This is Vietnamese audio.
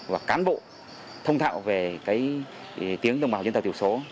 và cán bộ thông thạo về cái tiếng đồng bào dân tộc tiểu số